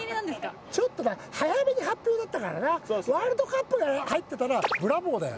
ちょっとな早めに発表だったからなワールドカップが入ってたら「ブラボー」だよ絶対に。